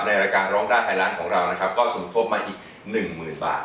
ในรายการร้องด้าไทยร้านของเรานะครับก็สมทบมาอีก๑หมื่นบาท